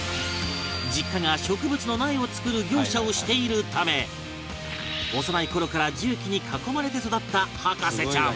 実家が植物の苗を作る業者をしているため幼い頃から重機に囲まれて育った博士ちゃん